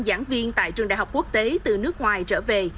chín mươi ba giảng viên tại trường đại học quốc tế từ nước ngoài trở về